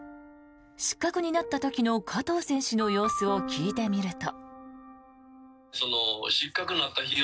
失格になった時の加藤選手の様子を聞いてみると。